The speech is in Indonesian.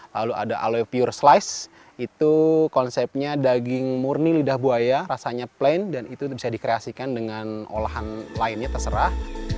lalu ada aloypure slice itu konsepnya daging murni lidah buaya rasanya plain dan itu bisa dikreasikan dengan olahan lainnya terserah